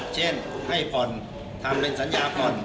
เช่นให้ผ่อนทำเป็นสัญญาผ่อน